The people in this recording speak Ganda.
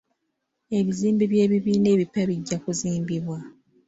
Ebizimbe by'ebibiina ebipya bijja kuzimbibwa.